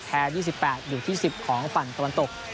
๒๘อยู่ที่๑๐ของฝั่งตะวันตก